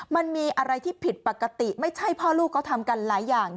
มันมีอะไรที่ผิดปกติไม่ใช่พ่อลูกเขาทำกันหลายอย่าง